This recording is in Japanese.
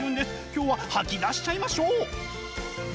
今日は吐き出しちゃいましょう！